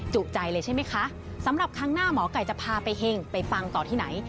จุใจเลยใช่ไหมคะสำหรับครั้งหน้าหมอไก่จะพาไปเห็งไปฟังต่อที่ไหน